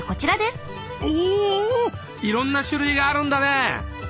おおいろんな種類があるんだね！